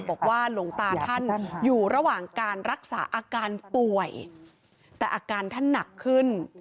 บอกว่าหลวงตาท่านอยู่ระหว่างการรักษาอาการป่วยแต่อาการท่านหนักขึ้น